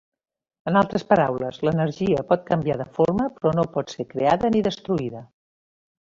En altres paraules, l'energia pot canviar de forma, però no pot ser creada ni destruïda.